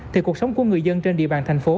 thì cuộc sống của người dân trên địa bàn thành phố